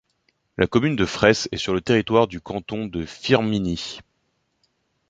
La commune de Fraisses est sur le territoire du canton de Firminy.